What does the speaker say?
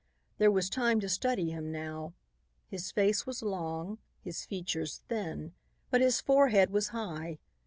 There was time to study him now. His face was long, his features thin, but his forehead was high.